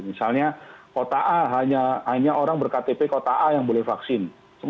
misalnya kota a hanya orang berktp kota a yang boleh vaksin